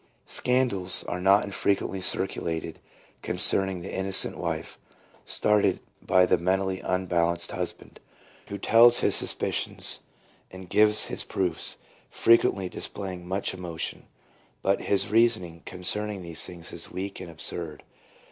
Scandals are not infrequently circulated concerning the innocent wife, started by the mentally unbalanced husband, who tells his suspicions and gives his proofs, fre quently displaying much emotion ; but his reasoning concerning these things is weak and absurd.